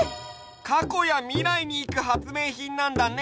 かこやみらいにいくはつめいひんなんだね！